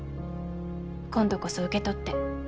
今度こそ受け取って。